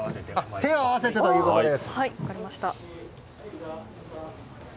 手を合わせてということです。